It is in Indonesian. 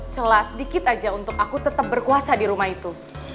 celah sedikit aja untuk aku tetap berkuasa di rumah itu